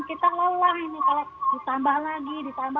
kita lelah ini kalau ditambah lagi ditambah